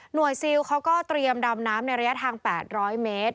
ซิลเขาก็เตรียมดำน้ำในระยะทาง๘๐๐เมตร